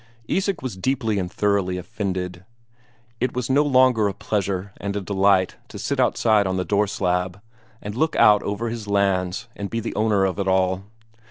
Isak was deeply and thoroughly offended. It was no longer a pleasure and a delight to sit outside on the door slab and look out over his lands and be the owner of it all.